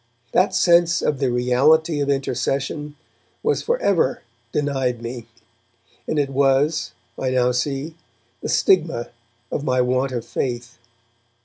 That sense of the reality of intercession was for ever denied me, and it was, I now see, the stigma of my want of faith.